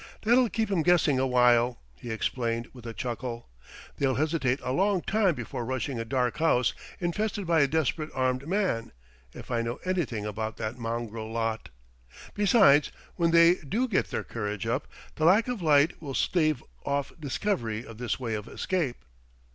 "That'll keep 'em guessing a while!" he explained with a chuckle. "They'll hesitate a long time before rushing a dark house infested by a desperate armed man if I know anything about that mongrel lot!... Besides, when they do get their courage up, the lack of light will stave off discovery of this way of escape....